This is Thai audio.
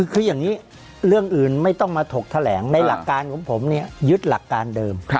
คืออย่างนี้เรื่องอื่นไม่ต้องมาถกแถลงในหลักการของผมเนี่ยยึดหลักการเดิม